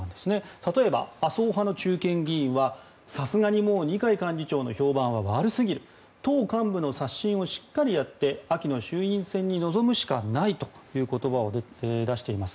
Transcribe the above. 例えば、麻生派の中堅議員はさすがにもう二階幹事長の評判は悪すぎる党幹部の刷新をしっかりやって秋の衆院選に臨むしかないという言葉を出しています。